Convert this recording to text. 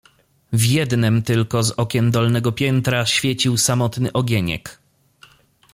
"W jednem tylko z okien dolnego piętra świecił samotny ogieniek."